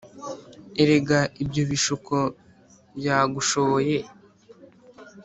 Erega ibyo bishuko byagushoboye